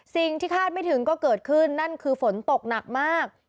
คาดไม่ถึงก็เกิดขึ้นนั่นคือฝนตกหนักมาก